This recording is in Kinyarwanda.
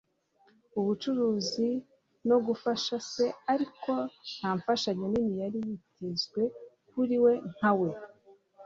ubucuruzi no gufasha se ariko nta mfashanyo nini yari yitezwe kuri we nka we